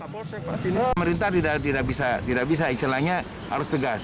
pemerintah tidak bisa tidak bisa ikhlannya harus tegas